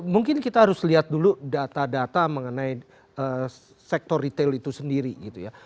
mungkin kita harus lihat dulu data data mengenai sektor retail itu sendiri gitu ya